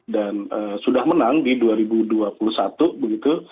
dan sudah menang di dua ribu dua puluh satu begitu